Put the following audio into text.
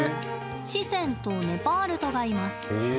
シセンとネパールとがいます。